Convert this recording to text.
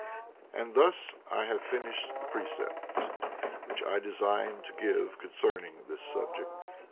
And thus have I finished the precepts which I designed to give concerning this subject.